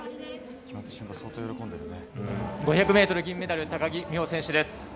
５００ｍ、銀メダル高木美帆選手です。